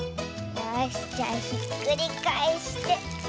よしじゃひっくりかえして。